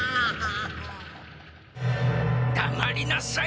だまりなさい！